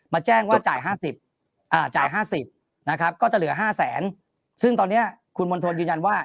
แจ้งว่าจ่าย๕๐จ่าย๕๐นะครับก็จะเหลือ๕แสนซึ่งตอนนี้คุณมณฑลยืนยันว่า